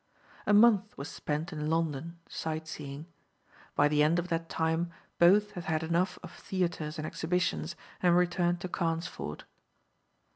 A month was spent in London, sight seeing. By the end of that time both had had enough of theatres and exhibitions, and returned to Carnesford.